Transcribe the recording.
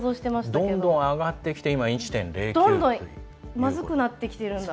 どんどん上がってきて１．０９という。